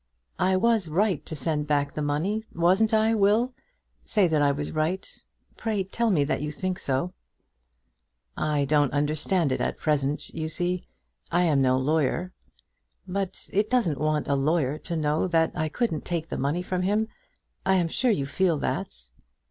"I was right to send back the money; wasn't I, Will? Say that I was right. Pray tell me that you think so!" "I don't understand it at present, you see; I am no lawyer." "But it doesn't want a lawyer to know that I couldn't take the money from him. I am sure you feel that."